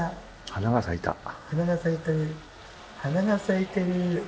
花が咲いてる。